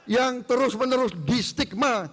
yang terus menerus di stigma